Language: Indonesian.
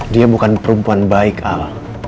dia bukan perempuan baik al